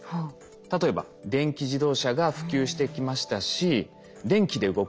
例えば電気自動車が普及してきましたし電気で動く空